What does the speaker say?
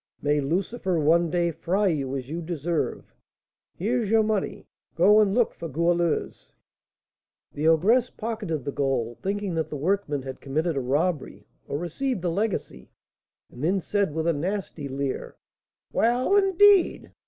"May Lucifer one day fry you as you deserve! Here's your money; go and look for Goualeuse." The ogress pocketed the gold, thinking that the workman had committed a robbery, or received a legacy, and then said, with a nasty leer, "Well, indeed!